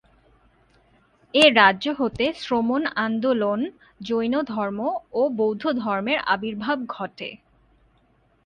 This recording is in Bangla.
এ রাজ্য হতে শ্রমণ আন্দোলন, জৈনধর্ম ও বৌদ্ধধর্মের আবির্ভাব ঘটে।